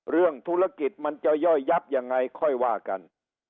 เรื่องธุรกิจมันจะย่อยยับยังไงค่อยว่ากัน